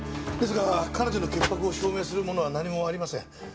ですが彼女の潔白を証明するものは何もありません。